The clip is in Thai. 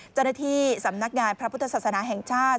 จรฐีสำนักงานพระพุทธศาสนาแห่งชาติ